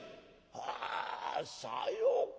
「はあさようか。